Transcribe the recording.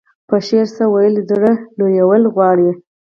په شعر څه ويل زړه لويول غواړي.